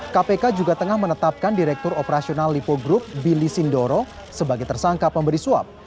kpk juga tengah menetapkan direktur operasional lipo group billy sindoro sebagai tersangka pemberi suap